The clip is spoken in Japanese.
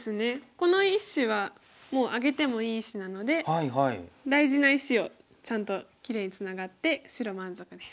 この１子はもうあげてもいい石なので大事な石をちゃんときれいにツナがって白満足です。